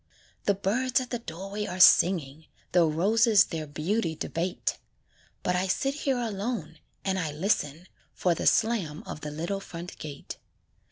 The birds at the doorway are singing, The roses their beauty debate; But I sit here alone, and I listen For the slam of the little front gate.